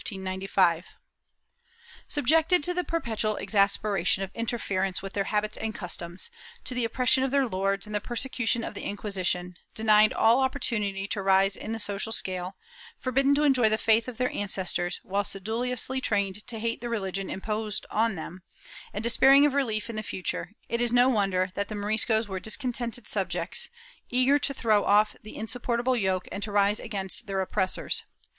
=^ Subjected to the perpetual exasperation of interference with their habits and customs, to the oppression of their lords and the persecution of the Inquisition, denied all opportunity to rise in the social scale, forbidden to enjoy the faith of their ancestors, while sedulously trained to hate the religion imposed on them, and despairing of relief in the future, it is no wonder that the Moris cos were discontented subjects, eager to throw off the insupport able yoke and to rise against their oppressors.